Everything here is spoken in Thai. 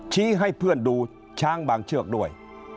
ให้เพื่อนดูช้างบางเชือกด้วย